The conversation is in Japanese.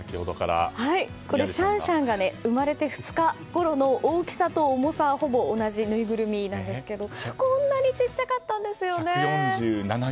これ、シャンシャンが生まれて２日ごろの大きさと重さ、ほぼ同じぬいぐるみなんですけどこんなにちっちゃかったんですよね！